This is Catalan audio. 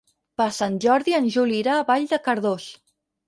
Per Sant Jordi en Juli irà a Vall de Cardós.